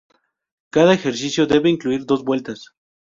Cada ejercicio debe incluir dos vueltas.